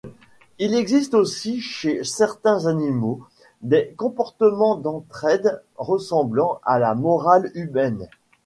Il existe aussi, chez certains animaux, des comportements d'entraide ressemblant à la morale humaine.